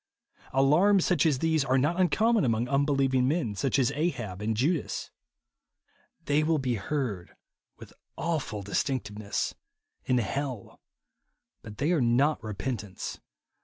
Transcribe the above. Alarms, such as these, are not uncommon among unbelieving men, such as Ahab and Judas. They will be heard with awful distinctness in hell ; but they are not repentance.